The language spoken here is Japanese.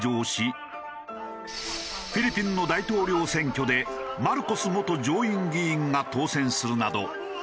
韓国でフィリピンの大統領選挙でマルコス元上院議員が当選するなど。